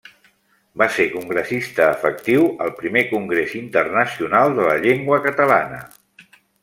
Va ser congressista efectiu al primer Congrés internacional de la llengua catalana.